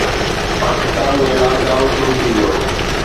Pakistan ۾ lockdown شروع ٿي ويو